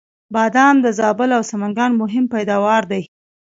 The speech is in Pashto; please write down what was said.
بادام د زابل او سمنګان مهم پیداوار دی